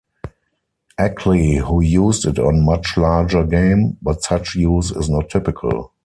Ackley who used it on much larger game, but such use is not typical.